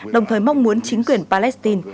đồng thời mong muốn chính quyền palestine